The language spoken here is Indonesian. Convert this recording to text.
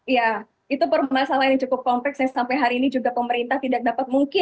ya itu permasalahan yang cukup kompleks yang sampai hari ini juga pemerintah tidak dapat mungkin